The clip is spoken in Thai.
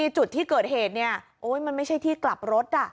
เจอก็ไม่นาน